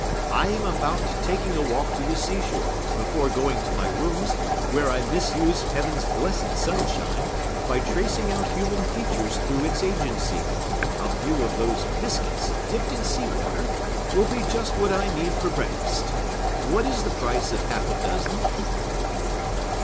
I am about taking a walk to the seashore, before going to my rooms, where I misuse Heaven's blessed sunshine by tracing out human features through its agency. A few of those biscuits, dipt in sea water, will be just what I need for breakfast. What is the price of half a dozen?"